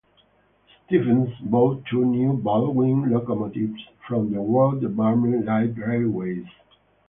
Stephens bought two new Baldwin locomotives from the War Department Light Railways.